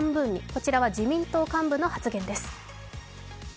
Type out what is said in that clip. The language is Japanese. こちらは自民党幹部の発言です。